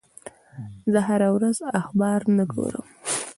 زه هره ورځ اخبار نه ګورم.